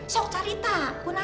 jadi cerita guna